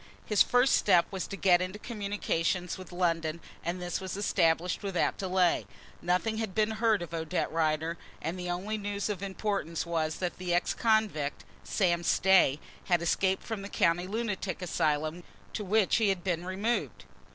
His first step was to get into communication with London and this was established without delay. Nothing had been heard of Odette Rider, and the only news of importance was that the ex convict, Sam Stay, had escaped from the county lunatic asylum to which he had been removed.